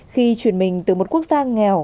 khi chuyển mình từ một quốc gia nghèo